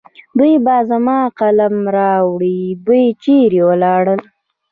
دوی به زما قلم راوړي. دوی چېرې ولاړل؟